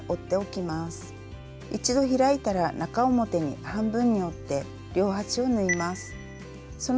一度開いたら中表に半分に折って両端を縫います。